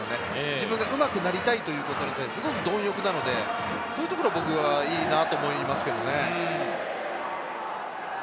自分がうまくなりたいということに対して貪欲なので、そういうところ、僕はいいなと思いますけどね。